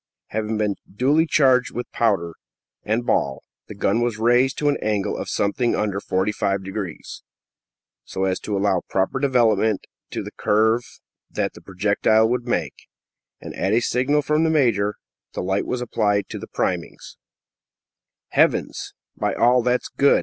Having been duly charged with powder and ball, the gun was raised to an angle of something under 45 degrees, so as to allow proper development to the curve that the projectile would make, and, at a signal from the major, the light was applied to the priming. "Heavens!" "By all that's good!"